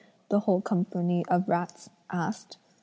the whole company of rats asked.